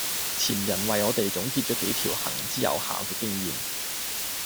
前人為我哋總結咗幾條行之有效嘅經驗